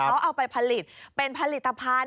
เขาเอาไปผลิตเป็นผลิตภัณฑ์